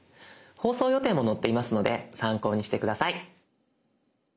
放送予定も載っていますので参考にして下さい。